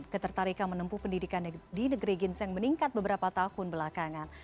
ketertarikan menempuh pendidikan di negeri ginseng meningkat beberapa tahun belakangan